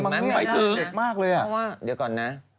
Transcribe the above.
มันไม่ถึงเพราะว่าเดี๋ยวก่อนนะ